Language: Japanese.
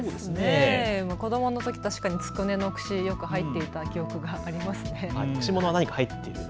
子どものとき、確かにつくねの串、よく入っていた記憶があります。